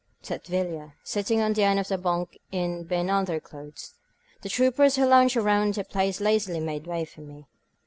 said Villa, sitting on the end of the bonk in bine underclothes. The troopers who lounged around the place lazily made way for me.